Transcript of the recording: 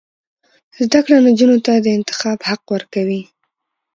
زده کړه نجونو ته د انتخاب حق ورکوي.